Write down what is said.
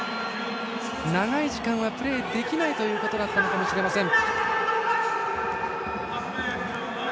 長い時間はプレーできないということだったのかもしれません。